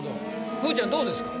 くーちゃんどうですか？